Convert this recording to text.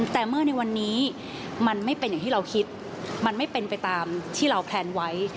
แต่เมื่อในวันนี้มันไม่เป็นอย่างที่เราคิดมันไม่เป็นไปตามที่เราแพลนไว้